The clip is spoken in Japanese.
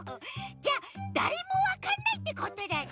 じゃあだれもわかんないってことだね。